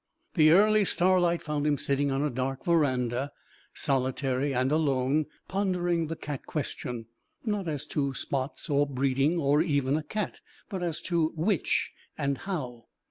The early starlight found him sitting on the dark veranda, solitary and alone, pondering the cat question, not as to spots or breeding or even a cat, but as to which, and how.